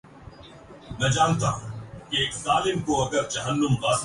committee میں تین مرد اور سات عورتیں ہیں